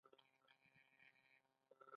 پر هماغه ورځ عبدالهادي سي آى ډي والاو نيولى.